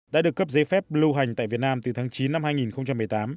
đã được cấp giấy phép lưu hành tại việt nam từ tháng chín năm hai nghìn một mươi tám